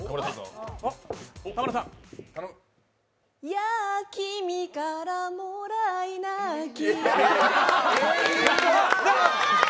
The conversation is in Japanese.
や君からもらい泣き。